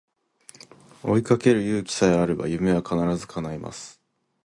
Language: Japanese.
追いかける勇気さえあれば夢は必ず叶います